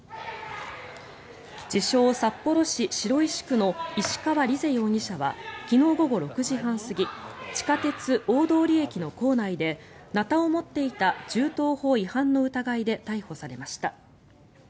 自称・札幌市白石区の石川莉世容疑者は昨日午後６時半過ぎ地下鉄大通駅の構内でナタを持っていた銃刀法違反の疑いで逮捕されました。